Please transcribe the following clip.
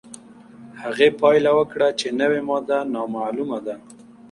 هغې پایله وکړه چې نوې ماده نامعلومه ده.